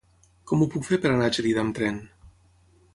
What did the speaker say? Com ho puc fer per anar a Gelida amb tren?